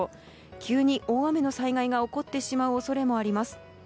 急に大雨の災害が起こってしまう恐れもあります。